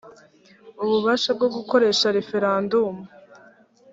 ububasha bwo gukoresha referendumu